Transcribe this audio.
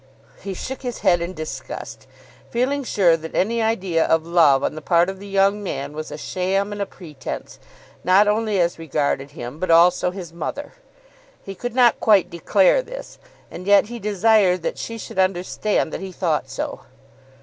He shook his head in disgust, feeling sure that any idea of love on the part of the young man was a sham and a pretence, not only as regarded him, but also his mother. He could not quite declare this, and yet he desired that she should understand that he thought so.